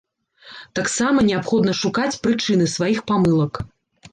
Таксама неабходна шукаць прычыны сваіх памылак.